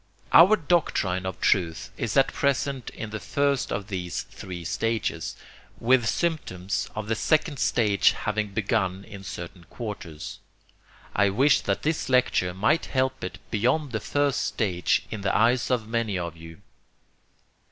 Our doctrine of truth is at present in the first of these three stages, with symptoms of the second stage having begun in certain quarters. I wish that this lecture might help it beyond the first stage in the eyes of many of you.